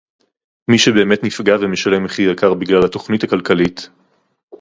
מי שבאמת נפגע ומשלם מחיר יקר בגלל התוכנית הכלכלית